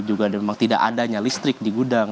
juga memang tidak adanya listrik di gudang